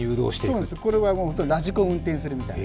これはラジコンを運転するみたいな。